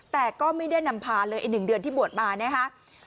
แต่ก็ไม่ได้นำพาเลยไอ้๑เดือนที่บวชมานะคะ